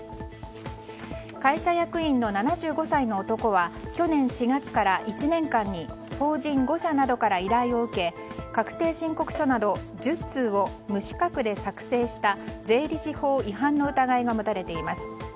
会社役員の７５歳の男は去年４月から１年間に法人５社などから依頼を受け確定申告書など１０通を無資格で作成した税理士法違反の疑いが持たれています。